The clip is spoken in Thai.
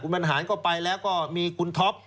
คุณบันหานก็ไปแล้วก็มีคุณท็อป